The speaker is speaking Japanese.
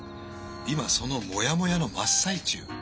今そのモヤモヤの真っ最中。